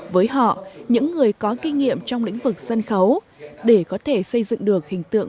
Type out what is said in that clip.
với họ những người có kinh nghiệm trong lĩnh vực sân khấu để có thể xây dựng được hình tượng